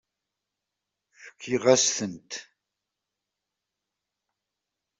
Fkiɣ-as-tent.